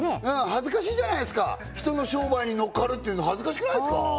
恥ずかしいじゃないですか人の商売にのっかるっていうの恥ずかしくないですか？